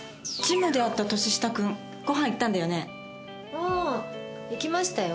ああ行きましたよ。